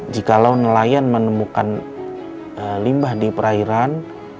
jikalau nelayan menemukan limbah di perairan